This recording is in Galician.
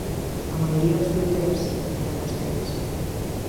A maioría absoluta é así, dirán vostedes.